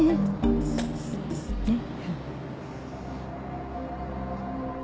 ねっ。